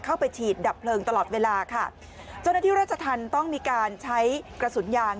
เข้าไปฉีดดับเพลิงตลอดเวลาค่ะเจ้าหน้าที่ราชธรรมต้องมีการใช้กระสุนยาง